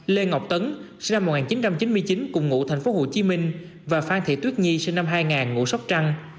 lê ngọc tấn sinh năm một nghìn chín trăm chín mươi chín cùng ngụ thành phố hồ chí minh và phan thị tuyết nhi sinh năm hai nghìn ngụ sóc trăng